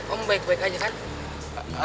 om baik baik aja kan